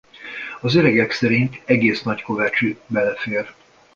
Az öregek szerint egész Nagykovácsi belefér.